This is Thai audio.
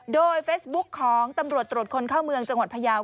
โดยเฟซบุ๊คของตำรวจตรวจคนเข้าเมืองจังหวัดพยาว